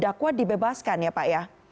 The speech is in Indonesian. dakwa dibebaskan ya pak ya